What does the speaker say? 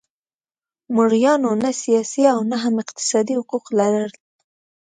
مریانو نه سیاسي او نه هم اقتصادي حقوق لرل.